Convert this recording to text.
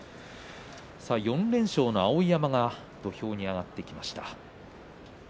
４連勝の碧山土俵に上がってきました。